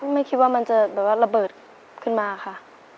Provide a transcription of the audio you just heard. ไม่คิดว่ามันจะแบบว่าระเบิดขึ้นมาค่ะ